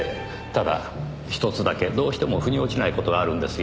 ただ１つだけどうしても腑に落ちない事があるんですよ。